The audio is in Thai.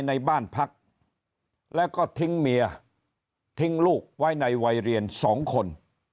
ในบ้านพักแล้วก็ทิ้งเมียทิ้งลูกไว้ในวัยเรียน๒คน